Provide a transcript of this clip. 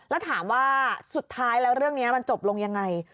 แล้วถามว่าสุดท้ายแล้วเรื่องนี้มันจบลงยังไง